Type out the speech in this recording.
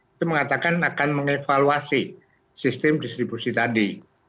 itu mengatakan akan mengevaluasi sistem distribusi tadi